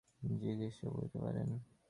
জিজ্ঞাসা করিল, যোগেন এখন কোথায় আছে বলিতে পারেন?